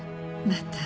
また。